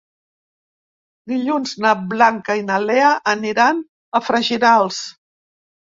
Dilluns na Blanca i na Lea aniran a Freginals.